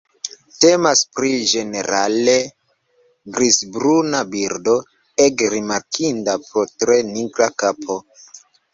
Temas pri ĝenerale grizbruna birdo ege rimarkinda pro tre nigra kapo.